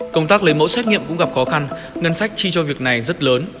công tác lấy mẫu xét nghiệm cũng gặp khó khăn ngân sách chi cho việc này rất lớn